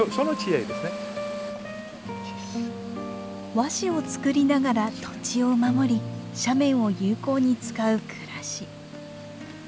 和紙を作りながら土地を守り斜面を有効に使う暮らし。